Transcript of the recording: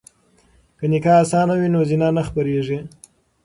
که نکاح اسانه وي نو زنا نه خپریږي.